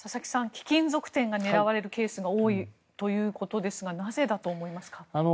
貴金属店が狙われるケースが多いということですがなぜだと思いますか。